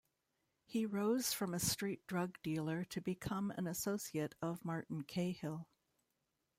He rose from a street drug dealer to become an associate of Martin Cahill.